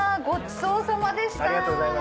ごちそうさまでした。